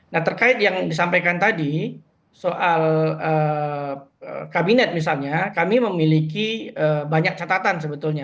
nah terkait yang disampaikan tadi soal kabinet misalnya kami memiliki banyak catatan sebetulnya